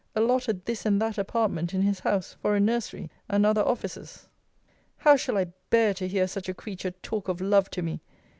] 'allotted this and that apartment in his house, for a nursery, and other offices.' How shall I bear to hear such a creature talk of love to me?